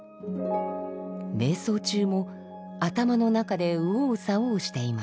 瞑想中も頭の中で右往左往しています。